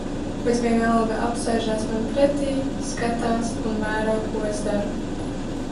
Bet vienalga apsēžas man pretī, skatās un vēro, ko es daru.